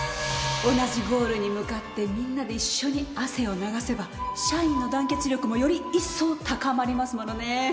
同じゴールに向かってみんなで一緒に汗を流せば社員の団結力もより一層高まりますものね。